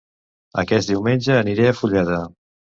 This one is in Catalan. Aquest diumenge aniré a Fulleda